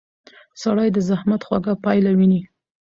سړی د زحمت خوږه پایله ویني